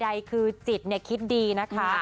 ใดคือจิตคิดดีนะคะ